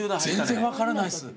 全然分からないです。